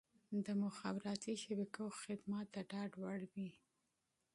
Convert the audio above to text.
د مخابراتي شبکو خدمات د ډاډ وړ وي.